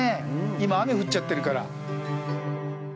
今、雨降っちゃってるから。